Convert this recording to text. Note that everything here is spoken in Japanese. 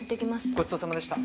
ごちそうさまでした。